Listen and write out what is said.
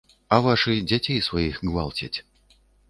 А вашы дзяцей сваіх гвалцяць.